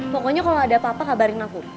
pokoknya kalau ada apa apa kabarin aku